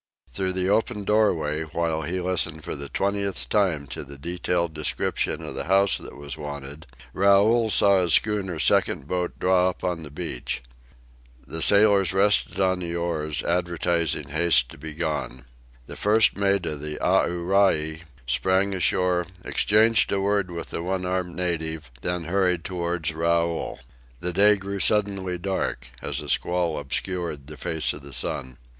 Through the open doorway, while he listened for the twentieth time to the detailed description of the house that was wanted, Raoul saw his schooner's second boat draw up on the beach. The sailors rested on the oars, advertising haste to be gone. The first mate of the Aorai sprang ashore, exchanged a word with the one armed native, then hurried toward Raoul. The day grew suddenly dark, as a squall obscured the face of the sun.